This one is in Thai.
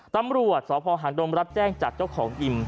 ตำรวจสพหางดมรับแจ้งจากเจ้าของอิ่ม